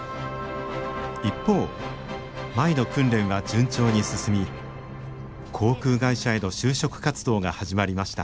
一方舞の訓練は順調に進み航空会社への就職活動が始まりました。